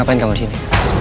ngapain kamu disini